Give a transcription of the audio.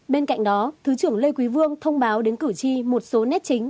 bên cạnh đó thứ trưởng lê quý vương thông báo đến cử tri một số nét chính